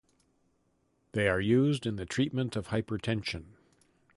They are used in the treatment of hypertension.